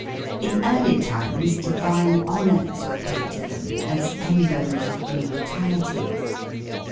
In early times divine honors were paid to them as emblems of immortality.